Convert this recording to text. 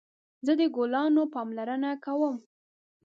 زه د ګلانو پاملرنه کوم